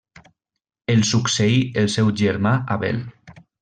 El succeí el seu germà Abel.